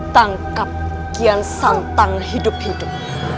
tangkap kian santang hidup hidup